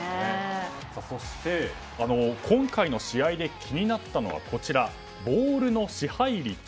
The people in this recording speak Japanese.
そして、今回の試合で気になったのはボールの支配率。